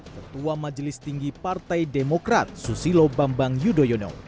ketua majelis tinggi partai demokrat susilo bambang yudhoyono